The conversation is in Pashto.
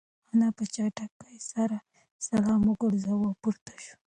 انا په چټکۍ سره سلام وگرځاوه او پورته شوه.